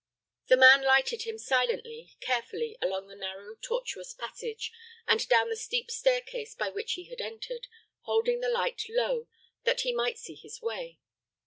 The man lighted him silently, carefully along the narrow, tortuous passage, and down the steep stair case by which he had entered, holding the light low, that he might see his way.